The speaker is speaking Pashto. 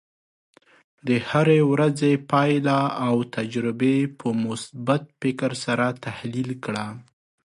د هرې ورځې پایله او تجربې په مثبت فکر سره تحلیل کړه.